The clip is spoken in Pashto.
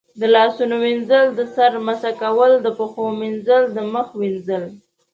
د لاسونو وینځل، د سر مسح کول، د پښو مینځل، د مخ وینځل